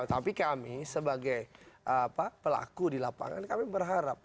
tapi kami sebagai pelaku di lapangan kami berharap